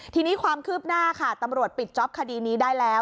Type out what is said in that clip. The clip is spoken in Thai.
ทีนี้ความคืบหน้าค่ะตำรวจปิดจ๊อปคดีนี้ได้แล้ว